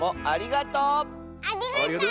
ありがとう！